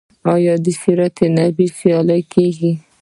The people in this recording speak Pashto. آیا د سیرت النبی سیالۍ کیږي؟